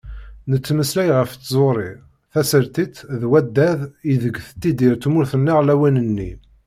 Nettmeslay ɣef tẓuri, tasertit d waddad ideg tettidir tmurt-nneɣ lawan-nni.